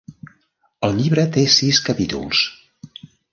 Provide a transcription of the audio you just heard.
El llibre té sis capítols.